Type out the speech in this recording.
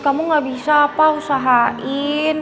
kamu gak bisa apa usahain